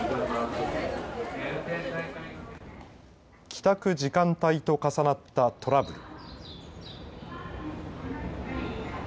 帰宅時間帯と重なったトラブル。